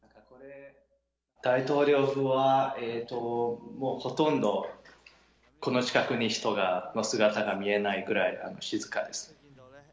大統領府は、もうほとんどこの近くに人の姿が見えないぐらい静かです。